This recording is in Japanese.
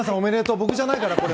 僕じゃないから。